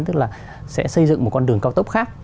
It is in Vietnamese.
tức là sẽ xây dựng một con đường cao tốc khác